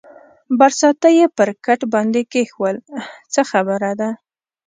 برساتۍ یې پر کټ باندې کېښوول، څه خبره ده؟